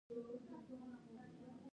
ایا ستاسو سبزي به پاکه وي؟